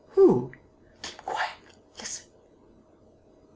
"Who?" "Keep quiet.... Listen...."